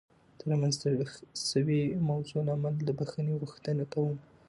د رامنځته شوې موضوع له امله د بخښنې غوښتنه کوم.